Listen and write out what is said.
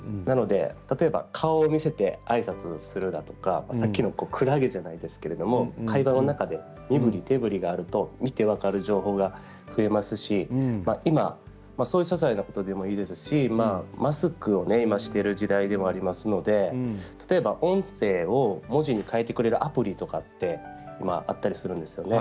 例えば顔を見せてあいさつするだとかさっきのクラゲではないですけど会話の中で身ぶり手ぶりがあると見て分かる情報がありますしそういうささいなことでもいいですし今マスクをしている時代でもありますので例えば、音声を文字に変えてくれるアプリとかあったりするんですよね。